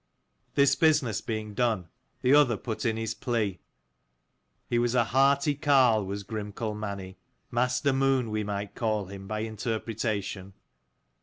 This business being done, the other put in his plea. He was a hearty carle, was Grimkel Mani, Master Moon we might call him by interpretation.